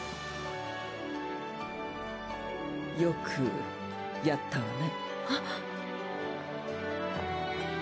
よくやったわね。